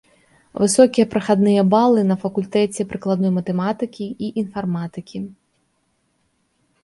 Высокія прахадныя балы на факультэце прыкладной матэматыкі і інфарматыкі.